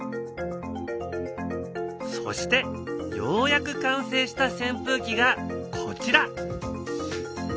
そしてようやく完成したせん風機がこちら。